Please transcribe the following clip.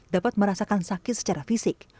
dapat merasakan sakit secara fisik